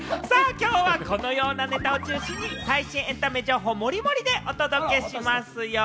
きょうはこのようなネタを中心に最新エンタメ情報モリモリでお届けしますよ。